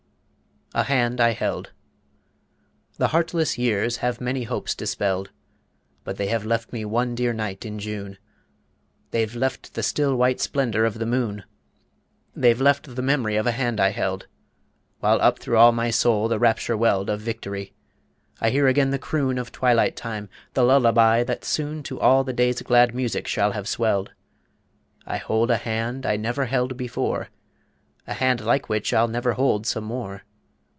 A HAND I HELD The heartless years have many hopes dispelled. But they have left me one dear night in June. They've left the still white splendor of the moon. They've left the mem'ry of a hand I held, While up thro' all my soul the rapture welled Of victory. I hear again the croon Of twilight time, the lullaby that soon To all the day's glad music shall have swelled. I hold a hand I never held before, A hand like which I'll never hold some more.